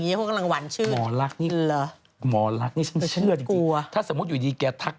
เดี๋ยวกลัวจะหมอนหลังทักเรื่องความรัก